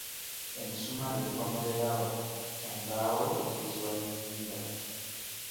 Emisumaali egikomerera embaawo giyitibwa nninga.